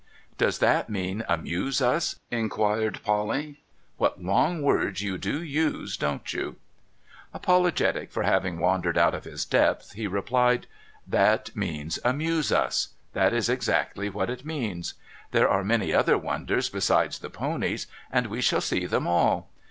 ' Does that mean amuse us ?' inquired Polly. ' ^^'hat long words you do use, don't you ?' Apologetic for having wandered out of his dei)th, he replied :' That means amuse us. That is exactly what it means. There are many other wonders besides the ponies, and we shall see them all.